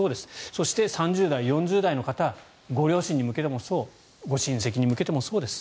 そして、３０代、４０代の方ご両親に向けてもそうご親戚に向けてもそうです。